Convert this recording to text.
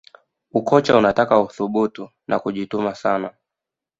ukocha unataka uthubutu na kujituma sana